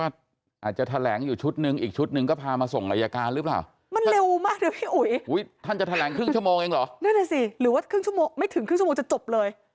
ท่านจะแถลงครึ่งชั่วโมงเองเหรอนั่นแหละสิหรือว่าครึ่งชั่วโมงไม่ถึงครึ่งชั่วโมงจะจบเลย